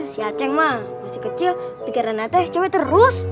si aceh mah masih kecil pikiran ateh cewek terus